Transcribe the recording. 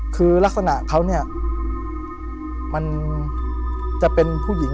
คือลักษณะเขาเนี่ยมันจะเป็นผู้หญิง